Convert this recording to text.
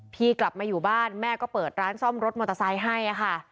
พี่กลับมาอยู่บ้านแม่ก็เปิดร้านซ่อมรถมอเตอร์ไซค์ให้ค่ะ